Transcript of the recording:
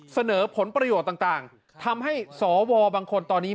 เสนอผลประโยชน์ต่างทำให้สวบางคนตอนนี้